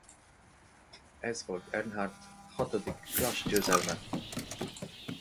Ez volt Earnhardt hatodik Clash-győzelme.